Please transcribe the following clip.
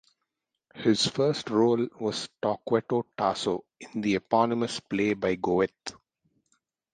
His first role was Torquato Tasso in the eponymous play by Goethe.